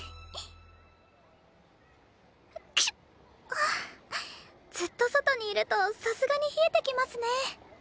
はあずっと外にいるとさすがに冷えてきますね。